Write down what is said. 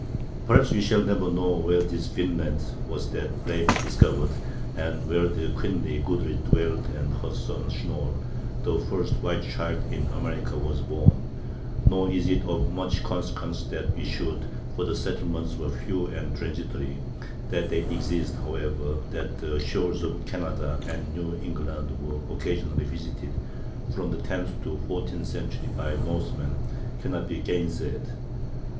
Perhaps we shall never know where this "Vinland" was that Leif discovered, and where the queenly Gudrid dwelt and her son Schnorr—the first white child in America—was born; nor is it of much consequence that we should, for the settlements were few and transitory. That they existed, however, and that the shores of Canada and New England were occasionally visited from the tenth to the fourteenth centuries by Norsemen, cannot be gainsaid.